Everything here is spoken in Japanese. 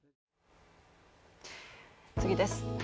次です。